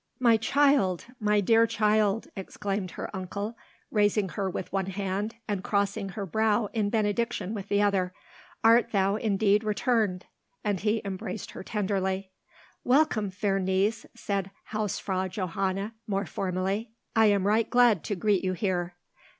"My child! my dear child!" exclaimed her uncle, raising her with one hand, and crossing her brow in benediction with the other. "Art thou indeed returned?" and he embraced her tenderly. "Welcome, fair niece!" said Hausfrau Johanna, more formally. "I am right glad to greet you here."